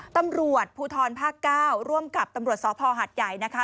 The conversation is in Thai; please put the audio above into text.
ตำรวจภูทรภาคเก่าร่วมกับตำรวจศพรหัทยายด์นะคะ